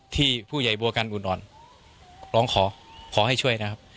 ที่ผู้ใหญ่บัวกันอุ่นอ่อนร้องขอขอให้ช่วยนะครับ